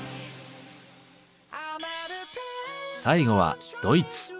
最後はドイツ。